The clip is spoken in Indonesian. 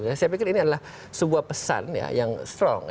saya pikir ini adalah sebuah pesan yang strong